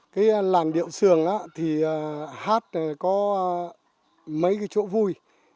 cái làn điệu sường thì hát có mấy cái chỗ vui